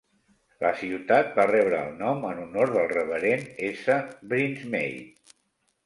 La ciutat va rebre el nom en honor del reverend S. Brinsmade.